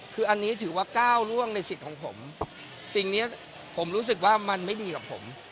คืออันนี้ถือว่าก้าวล่วงในสิทธิ์ของผมสิ่งนี้ผมรู้สึกว่ามันไม่ดีกับผม